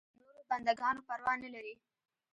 د نورو بنده ګانو پروا نه لري.